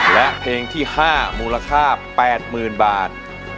และเพลงที่๕มูลค่า๘๐๐๐บาท